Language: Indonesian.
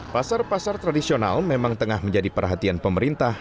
pasar pasar tradisional memang tengah menjadi perhatian pemerintah